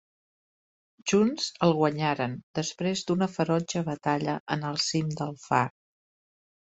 Junts el guanyaren, després d'una ferotge batalla en el cim del far.